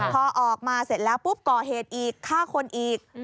พอออกมาเสร็จแล้วปุ๊บก่อเหตุอีกฆ่าคนอีก